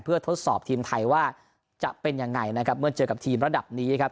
เพื่อทดสอบทีมไทยว่าจะเป็นยังไงนะครับเมื่อเจอกับทีมระดับนี้ครับ